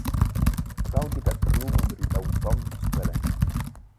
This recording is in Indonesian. Kau tidak perlu memberi tahu Tom segalanya.